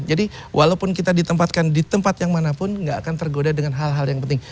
jadi walaupun kita ditempatkan di tempat yang manapun tidak akan tergoda dengan hal hal yang penting